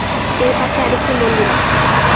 এর পাশে আরেকটি মন্দির আছে।